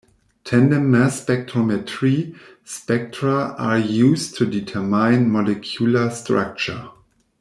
Tandem mass spectrometry spectra are used to determine molecular structure.